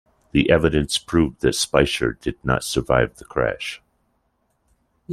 The evidence proved that Speicher did not survive the crash.